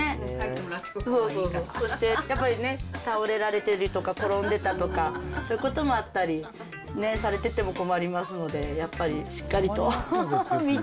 うん、そしてやっぱりね、倒れられてたりとか、転んでたりとか、そういうことがあってされてても困りますので、やっぱりしっかりと見て。